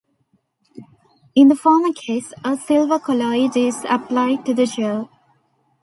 In the former case, a silver colloid is applied to the gel.